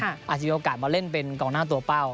อาจจะมีโอกาสมาเล่นเป็นกองหน้าตัวเป้า